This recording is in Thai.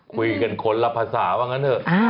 คุยกันคนละภาษาว่างั้นเถอะ